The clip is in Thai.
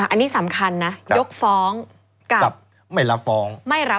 อันนี้สำคัญนะยกฟ้องกับไม่รับฟ้องไม่รับ